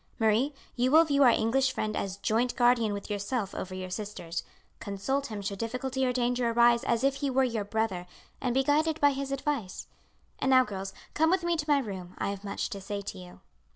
Marie, you will view our English friend as joint guardian with yourself over your sisters. Consult him should difficulty or danger arise as if he were your brother, and be guided by his advice. And now, girls, come with me to my room, I have much to say to you.